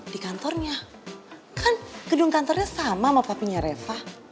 di kantornya kan gedung kantornya sama sama papinya reva